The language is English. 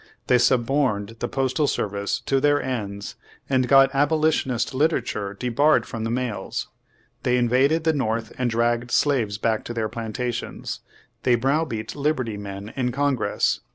They suborned the postal service to their ends and got abolitionist literature debarred from the mails. They invaded the North and dragged slaves back to their plantations. They browbeat liberty men in Congress.